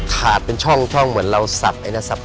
ขาดเป็นช่องเหมือนเราสับไอ้นักศัพท์